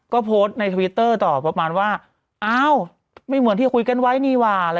ก็โพสต์ในทวิตเตอร์ต่อประมาณว่าอ้าวไม่เหมือนที่คุยกันไว้นี่ว่า